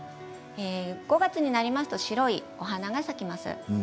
５月になりますと白いお花が咲きます。